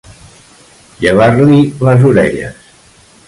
Llevar-li les orelles.